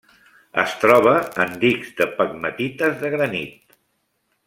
Es troba en dics de pegmatites de granit.